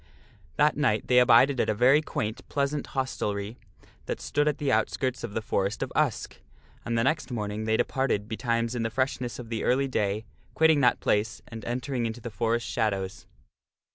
That night they abided at a very quaint, pleasant hostelry that stood at the outskirts of the Forest of Usk, and the next morning they departed betimes in the freshness of the early day, quitting that place and entering into the forest shadows.